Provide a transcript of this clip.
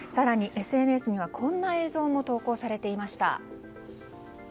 更にＳＮＳにはこんな映像も投稿されていました。